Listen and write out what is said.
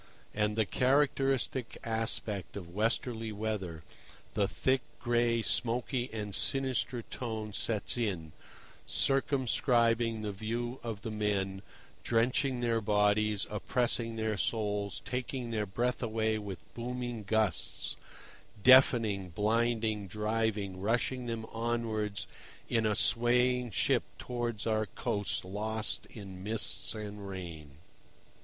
And the characteristic aspect of westerly weather, the thick, gray, smoky and sinister tone sets in, circumscribing the view of the men, drenching their bodies, oppressing their souls, taking their breath away with booming gusts, deafening, blinding, driving, rushing them onwards in a swaying ship towards our coasts lost in mists and rain.